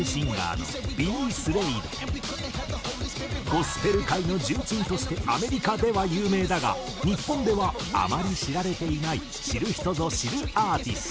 ゴスペル界の重鎮としてアメリカでは有名だが日本ではあまり知られていない知る人ぞ知るアーティスト。